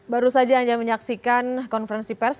baru saja anda menyaksikan konferensi pers